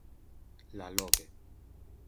La Loge